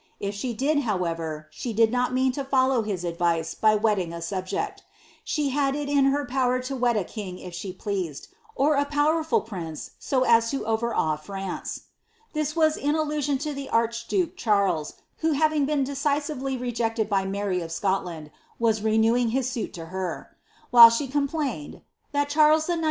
If she did, however, she did not mean to fol low his advice by wedding a subject; she had it in her power to wed a king if she pleased, or a powerful prince so as to over awe FrnKe."' This was in allusion to the archduke Charles, who having been deci sively rejected by Mary of Scotland, was renewing his suit to her. Sha complBined that Charies IX.